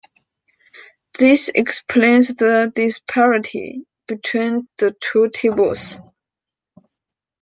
This explains the disparity between the two tables.